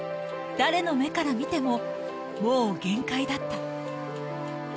誰の目から見ても、もう限界だった。